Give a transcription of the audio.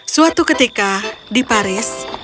suatu ketika di paris